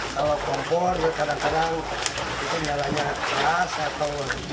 kalau kompor kadang kadang itu nyalanya keras atau bisa dihidupkan gitu